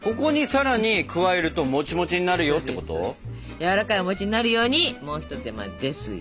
やわらかいお餅になるようにもう一手間ですよ！